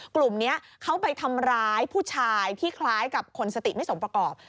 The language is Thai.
กลุ่มนี้เขาไปทำร้ายผู้ชายที่คล้ายกับคนสติไม่สมประกอบ